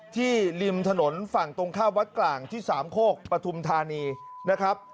ริมถนนฝั่งตรงข้ามวัดกลางที่สามโคกปฐุมธานีนะครับ